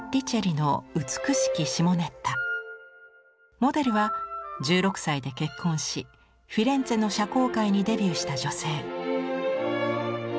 モデルは１６歳で結婚しフィレンツェの社交界にデビューした女性。